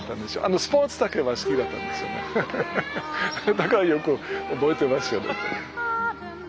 だからよく覚えてますよ。